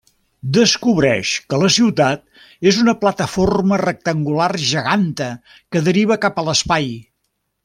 Descobreix que la ciutat és una plataforma rectangular geganta que deriva cap a l'espai.